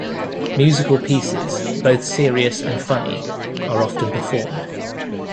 Musical pieces, both serious and funny, are often performed.